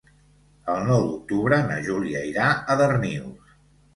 El nou d'octubre na Júlia irà a Darnius.